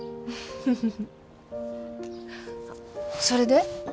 それで？